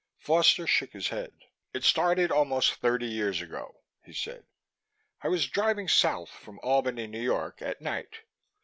Foster shook his head. "It started almost thirty years ago," he said. "I was driving south from Albany, New York, at night.